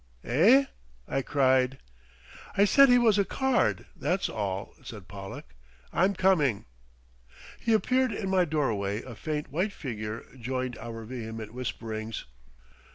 "Eh?" I cried. "I said he was a Card, that's all," said Pollack. "I'm coming." He appeared in my doorway a faint white figure joined our vehement whisperings.